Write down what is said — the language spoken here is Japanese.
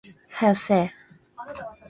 早よせえ